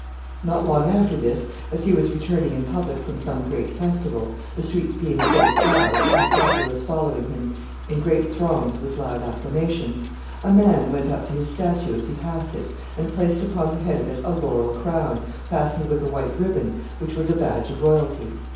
] Not long after this, as he was returning in public from some great festival, the streets being full of crowds, and the populace following him in great throngs with loud acclamations, a man went up to his statue as he passed it, and placed upon the head of it a laurel crown, fastened with a white ribbon, which was a badge of royalty.